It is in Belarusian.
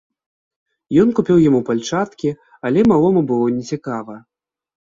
Ён купіў яму пальчаткі, але малому была не цікава.